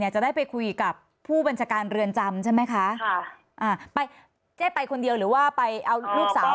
เจ๊ไปคนเดียวหรือว่าไปเอาลูกสาว